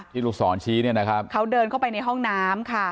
ลูกศรชี้เนี่ยนะครับเขาเดินเข้าไปในห้องน้ำค่ะ